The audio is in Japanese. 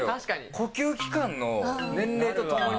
呼吸器官の、年齢とともに。